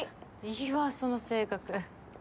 いいわその性格。